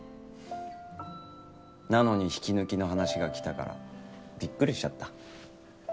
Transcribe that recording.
なのに引き抜きの話が来たからびっくりしちゃった。